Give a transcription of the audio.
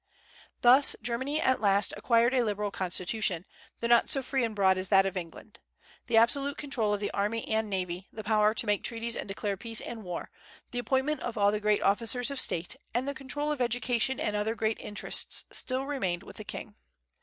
Thus Germany at last acquired a liberal constitution, though not so free and broad as that of England. The absolute control of the army and navy, the power to make treaties and declare peace and war, the appointment of all the great officers of state, and the control of education and other great interests still remained with the king.